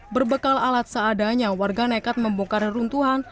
berbekal alat seadanya warga nekat membuka reruntuhan